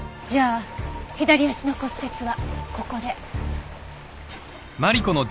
じゃあ左足の骨折はここで。